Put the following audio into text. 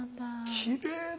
きれいだな。